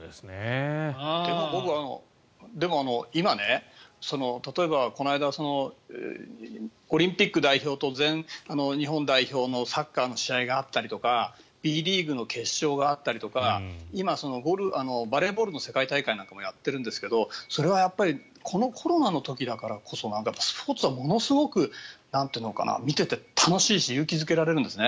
でも僕は、例えばこの間オリンピック代表と日本代表のサッカーの試合があったりとかＢリーグの決勝があったりとか今、バレーボールの世界大会なんかもやってるんですけどそれはこのコロナの時だからこそスポーツがものすごく見ていて楽しいし勇気付けられるんですね。